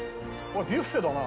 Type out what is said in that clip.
ビュッフェだな。